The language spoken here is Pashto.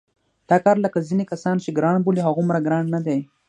دا کار لکه ځینې کسان چې ګران بولي هغومره ګران نه دی.